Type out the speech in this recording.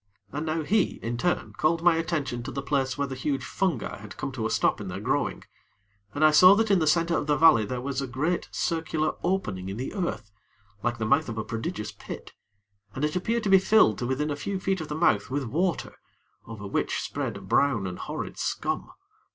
And now, he, in turn, called my attention to the place where the huge fungi had come to a stop in their growing, and I saw that in the center of the valley there was a great circular opening in the earth, like to the mouth of a prodigious pit, and it appeared to be filled to within a few feet of the mouth with water, over which spread a brown and horrid scum.